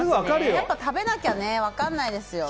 やっぱり食べなきゃ分からないですよね。